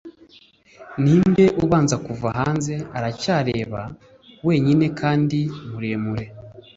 ninde ubanza kuva hanze aracyareba, wenyine kandi muremure,